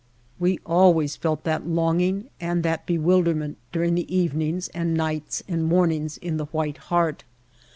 We always felt that longing and that bewil derment during the evenings and nights and mornings in the White Heart.